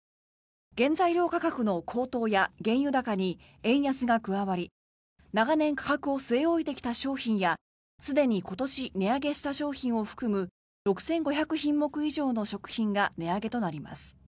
原材料価格の高騰や原油高に円安が加わり長年、価格を据え置いてきた商品やすでに今年値上げした商品を含む６５００品目以上の食品が値上げとなります。